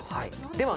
では